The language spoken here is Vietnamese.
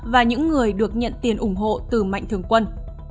và những người được nhận tiền ủng hộ từ mạnh thường quân